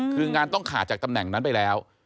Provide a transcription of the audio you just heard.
คืองานต้องขาดจากตำแหน่งนั้นไปแล้ว